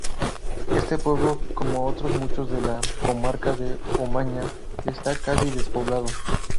Este pueblo, como otros muchos de la comarca de Omaña está casi despoblado.